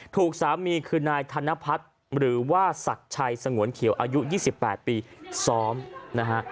ถูกสามีคือนายธนพัฒน์หรือว่าศักดิ์ชัยสงวนเขียวอายุ๒๘ปีซ้อมนะฮะ